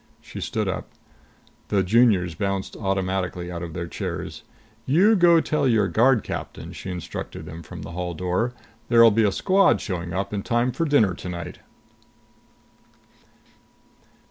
She stood up. The Juniors bounced automatically out of their chairs. "You go tell your guard Captain," she instructed them from the hall door, "there'll be a squad showing up in time for dinner tonight."